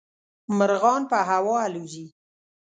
مرغان په هوا الوزي.